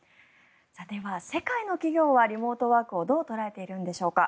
では、世界の企業はリモートワークをどう捉えているんでしょうか。